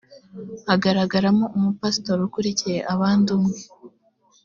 hagaragaramo umupasitori ukuriye abandi umwe